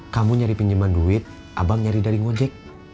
kamu nyari pinjaman duit abang nyari dari ngojek